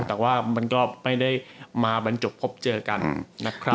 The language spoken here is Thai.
แต่ว่ามันก็ไม่ได้มาบรรจบพบเจอกันนะครับ